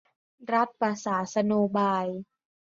รัฐประศาสโนบาย